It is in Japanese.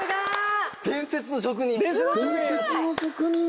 「伝説の職人」